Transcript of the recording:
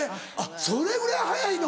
それぐらい速いの？